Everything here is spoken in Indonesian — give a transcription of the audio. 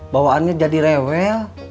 bawaannya jadi rewel